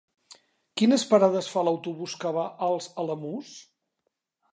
Quines parades fa l'autobús que va als Alamús?